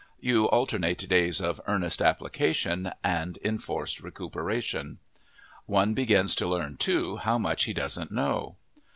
You alternate days of earnest application and enforced recuperation. One begins to learn, too, how much he doesn't know.